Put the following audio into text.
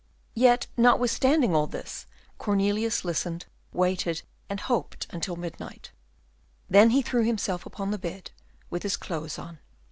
Yet notwithstanding all this, Cornelius listened, waited, and hoped until midnight, then he threw himself upon the bed, with his clothes on.